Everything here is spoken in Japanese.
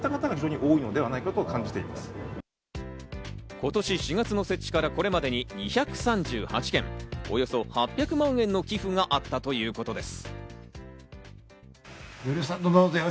今年４月の設置からこれまでに２３８件、およそ８００万円の寄付があったということです。